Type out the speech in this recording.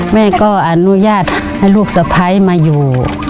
แม่ก็อนุญาตให้ลูกสะพ้ายมาอยู่